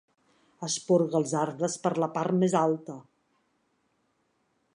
Esporga els arbres per la part més alta.